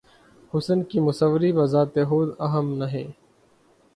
حسن کی مصوری بذات خود اہم نہیں